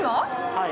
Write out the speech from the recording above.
はい。